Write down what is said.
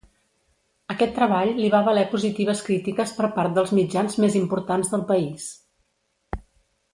Aquest treball li va valer positives crítiques per part dels mitjans més importants del país.